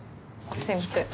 すいません。